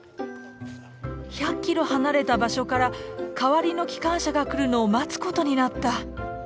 １００キロ離れた場所から代わりの機関車が来るのを待つことになった。